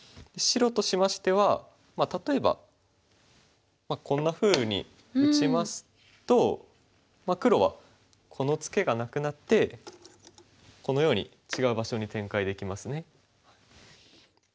白としましては例えばこんなふうに打ちますと黒はこのツケがなくなってこのように違う場所に展開できますね。